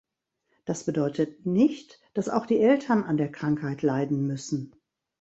Das bedeutet nicht, dass auch die Eltern an der Krankheit leiden müssen.